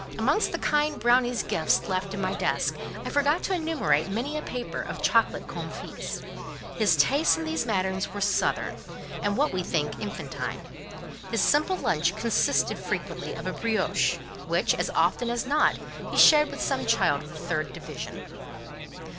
Amongst the kind brownie's gifts left in my desk, I forgot to enumerate many a paper of chocolate comfits. His tastes in these matters were southern, and what we think infantine. His simple lunch consisted frequently of a "brioche," which, as often as not, he shared with some child of the third division.